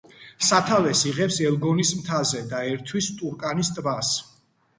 სათავეს იღებს ელგონის მთაზე და ერთვის ტურკანის ტბას.